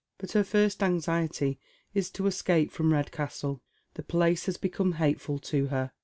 But her first anxiety is to escape from Redcastle. The place has become hateful to her.